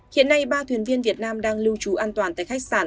hiện nay ba thuyền viên việt nam đang lưu trú an toàn tại khách sạn